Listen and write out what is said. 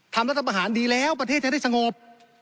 รัฐประหารดีแล้วประเทศจะได้สงบ